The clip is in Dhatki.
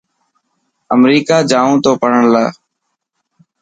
امريڪا جائون تو پڙهڻ لاءِ.